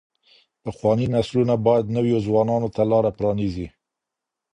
پخواني نسلونه بايد نويو ځوانانو ته لاره پرانيزي.